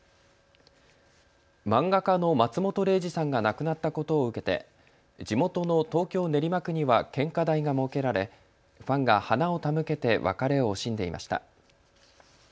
漫画家の松本零士さんが亡くなったことを受けて地元の東京練馬区には献花台が設けられ、ファンが花を手向けて別れを惜しんでいました。